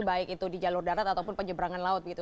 baik itu di jalur darat ataupun penyeberangan laut gitu